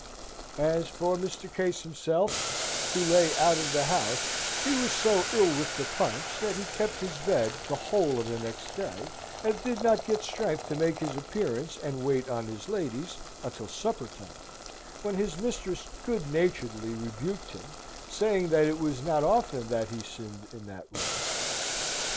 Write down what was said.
As for Mr. Case himself, who lay out of the house, he was so ill with the punch, that he kept his bed the whole of the next day, and did not get strength to make his appearance, and wait on his ladies, until supper time; when his mistress good naturedly rebuked him, saying that it was not often he sinned in that way.